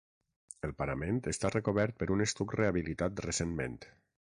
El parament està recobert per un estuc rehabilitat recentment.